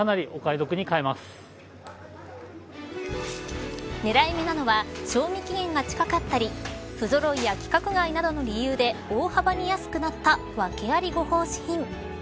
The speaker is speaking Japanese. こちらの缶詰賞味期限が近いということで狙い目なのは賞味期限が近かったり不ぞろいや規格外などの理由で大幅に安くなった訳ありご奉仕品。